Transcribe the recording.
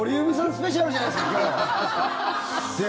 スペシャルじゃないですか、今日。